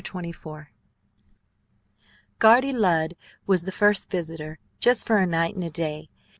CHAPTER XXIV "Guardy Lud" was the first visitor, just for a night and a day.